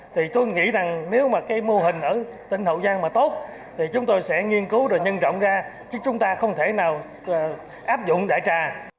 thì tôi nghĩ rằng nếu mà cái mô hình ở tỉnh hậu giang mà tốt thì chúng tôi sẽ nghiên cứu rồi nhân rộng ra chứ chúng ta không thể nào áp dụng đại trà